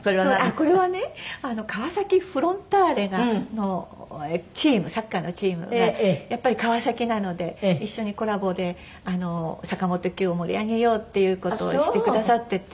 これはね川崎フロンターレのチームサッカーのチームがやっぱり川崎なので一緒にコラボで坂本九を盛り上げようっていう事をしてくださってて。